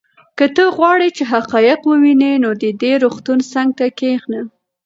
که ته غواړې چې حقایق ووینې نو د دې روغتون څنګ ته کښېنه.